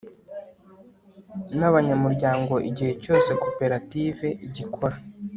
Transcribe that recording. n abanyamuryango igihe cyose koperative igikora